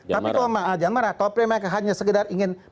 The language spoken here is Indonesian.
tapi kalau mereka hanya sekedar ingin